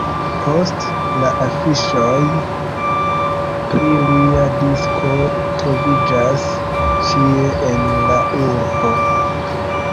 Poste, la afiŝoj pri lia disko troviĝas ĉie en la urbo.